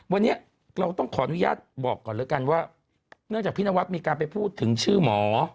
วันนี้เราต้องขออนุญาตบอกก่อนแล้วกันว่าเนื่องจากพี่นวัดมีการไปพูดถึงชื่อหมอ